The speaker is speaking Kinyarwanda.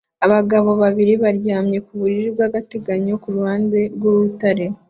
Abagabo babiri baryamye ku buriri bwagateganyo kuruhande rwurutare